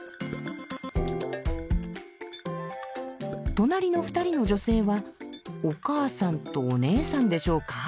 隣の２人の女性はお母さんとお姉さんでしょうか？